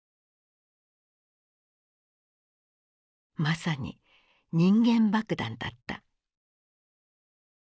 まさに人間爆弾だった。